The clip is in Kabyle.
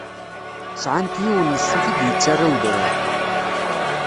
Sɛant yiwen n ṣṣut i d-yettarra udrar.